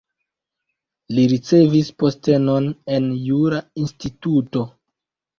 Li ricevis postenon en jura instituto.